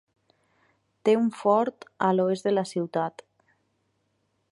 Té un fort a l'oest de la ciutat.